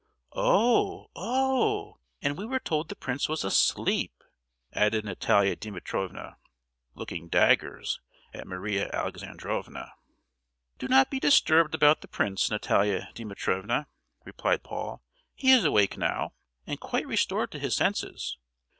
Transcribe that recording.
"Oh—oh! and we were told the prince was asleep!" added Natalia Dimitrievna, looking daggers at Maria Alexandrovna. "Do not be disturbed about the prince, Natalia Dimitrievna," replied Paul, "he is awake now, and quite restored to his senses.